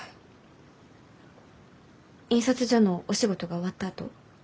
印刷所のお仕事が終わったあと？